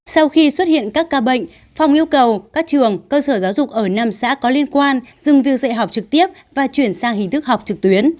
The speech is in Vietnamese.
sau khi xuất hiện các ca bệnh phong yêu cầu các trường cơ sở giáo dục ở năm xã có liên quan dừng việc dạy học trực tiếp và chuyển sang hình thức học trực tuyến